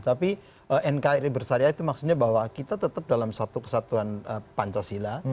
tapi nkri bersyariah itu maksudnya bahwa kita tetap dalam satu kesatuan pancasila